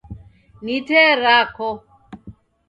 Ni tee rako.